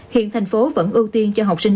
hiện thành phố vẫn ưu tiên cho học sinh